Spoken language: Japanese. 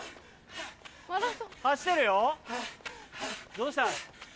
どうした？